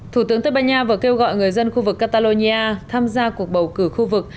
thủ tướng tây ban nha vừa kêu gọi người dân khu vực catalonia tham gia cuộc bầu cử khu vực